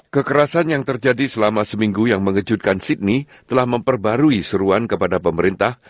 kekerasan yang terjadi selama seminggu yang mengejutkan sydney telah memperbarui seruan kepada pemerintah